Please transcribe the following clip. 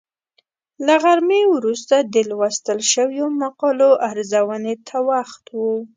له غرمې وروسته د لوستل شویو مقالو ارزونې ته وخت و.